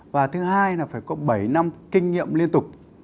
và thứ hai là phải có bảy năm kinh nghiệm liên tục